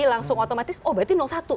langsung otomatis oh berarti satu